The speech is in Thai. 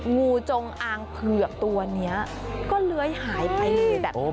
งูจงอางเผือกตัวนี้ก็เลื้อยหายไปเลยแบบนี้